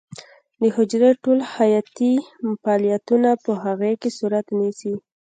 د حجرې ټول حیاتي فعالیتونه په هغې کې صورت نیسي.